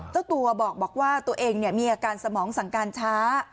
เจ้าตัวบอกว่าตัวเองมีอาการสมองสั่งการช้า